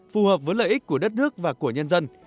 phù hợp với lợi ích của đất nước và của nhân dân